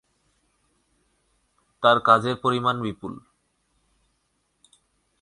তার কাজের পরিমাণ বিপুল।